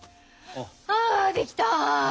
あできた！